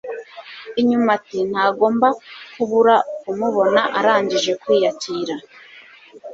inyuma ati ntagomba kubura kumubona arangije kwiyakira